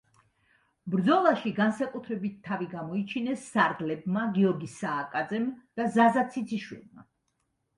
ბრძოლაში განსაკუთრებით თავი გამოიჩინეს სარდლებმა გიორგი სააკაძემ და ზაზა ციციშვილმა.